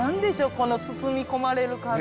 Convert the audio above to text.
この包み込まれる感じ。